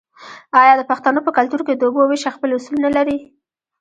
آیا د پښتنو په کلتور کې د اوبو ویش خپل اصول نلري؟